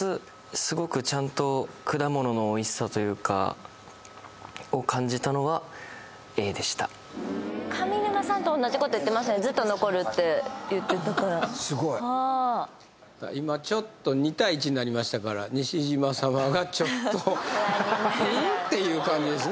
すごくちゃんと果物の美味しさというかを感じたのはＡでしたずっと残るって言ってたからすごい今ちょっと２対１になりましたから西島様がちょっとん？っていう感じですね